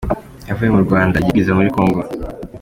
Yavuye mu Rwanda agiye kubwiriza muri Congo.